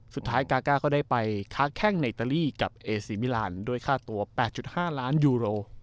สุดท้ายกากากก็ได้ไปค้าแข่งไนเตอรี่กับเอซีมิลานด้วยค่าตัวแปดจุดห้าล้านยูโร